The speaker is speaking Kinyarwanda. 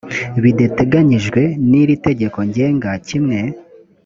bidateganyijwe n iri tegeko ngenga kimwe